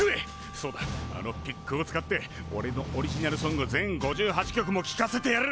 そうだあのピックを使っておれのオリジナルソング全５８曲もきかせてやる！